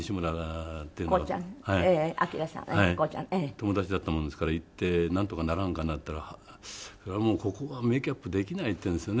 友達だったもんですから行ってなんとかならんかなと言ったらそれはもうここはメーキャップできないって言うんですよね